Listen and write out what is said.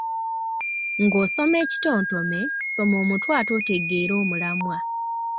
Ng’osoma ekitontome, soma omutwe ate otegeere omulamwa.